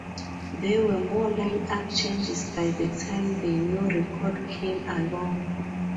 There were more lineup changes by the time the new record came along.